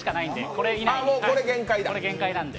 これ限界なので。